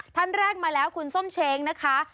ท่านแรกมาแล้วคุณส้มเช้งนะคะ